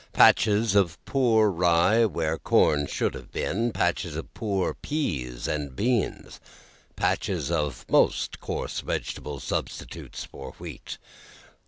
Patches of poor rye where corn should have been, patches of poor peas and beans, patches of most coarse vegetable substitutes for wheat.